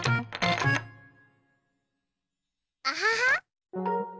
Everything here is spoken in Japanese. アハハ！